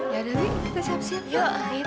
ya udah nek kita siap siap